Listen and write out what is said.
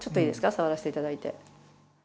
触らさせていただいて。